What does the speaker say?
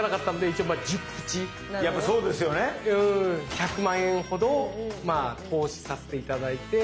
１００万円ほどまあ投資させて頂いて。